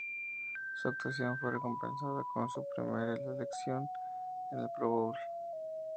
Su actuación fue recompensada con su primera selección en el Pro Bowl.